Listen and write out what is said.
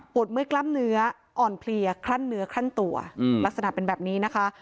เมื่อยกล้ามเนื้ออ่อนเพลียคลั่นเนื้อคลั่นตัวลักษณะเป็นแบบนี้นะคะ